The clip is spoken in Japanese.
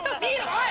おい！